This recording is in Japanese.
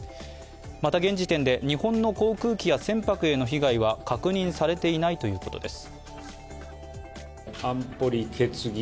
また、現時点で日本の航空機や船舶への被害は確認されていないということです。